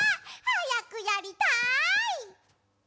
はやくやりたい！